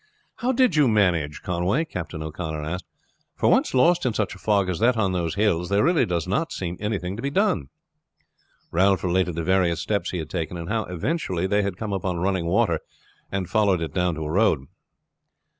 "How did you manage, Conway?" Captain O'Connor asked; "for once lost in such a fog as that on those hills there really does not seem anything to be done." Ralph related the various steps he had taken, and how, eventually, they had come upon running water and followed it down to a road.